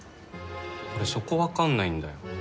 俺、そこ分かんないんだよ。